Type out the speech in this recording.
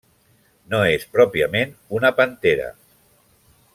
No és pròpiament una pantera.